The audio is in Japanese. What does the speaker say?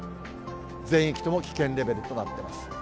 全域とも危険レベルとなっています。